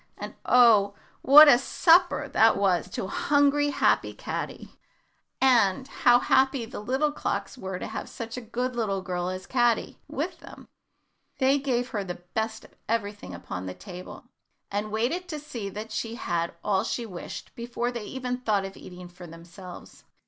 And, oh! what a supper that was to hungry, happy little Caddy! and how happy the little clocks were to have such a good little girl as Caddy with them! They gave her the best of everything upon the table, and waited to see that she had all she wished before they even thought of eating for themselves.